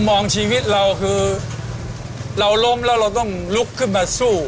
เส้นจะหนึบจะเป็นชิ้นอ่ะ